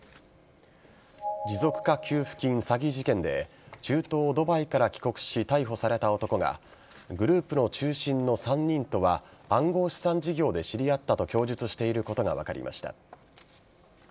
持続化給付金詐欺事件で中東・ドバイから帰国し逮捕された男がグループの中心の３人とは暗号資産事業で知り合ったと供述していることが分かりました。